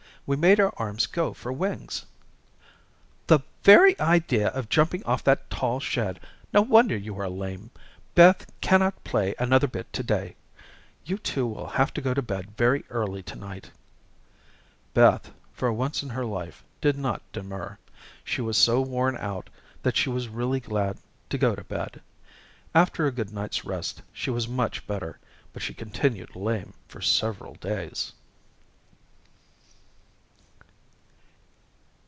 We made our arms go for wings." "The very idea of jumping off that tall shed! No wonder you are lame. Beth cannot play another bit to day. You two will have to go to bed very early to night." Beth for once in her life did not demur. She was so worn out that she was really glad to go to bed. After a good night's rest she was much better, but she continued lame for several days.